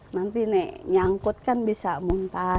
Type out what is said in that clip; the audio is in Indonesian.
nanti nek nyangkut kan bisa muntah